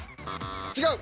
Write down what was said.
違う。